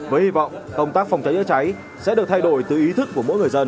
với hy vọng công tác phòng cháy chữa cháy sẽ được thay đổi từ ý thức của mỗi người dân